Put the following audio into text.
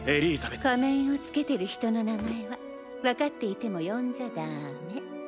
仮面を着けてる人の名前は分かっていても呼んじゃダメ。